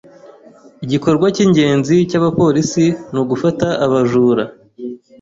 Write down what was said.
Igikorwa cyingenzi cyabapolisi nugufata abajura.